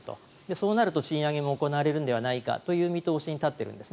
そうなると賃上げも行われるのではないかという見通しに立っているんです。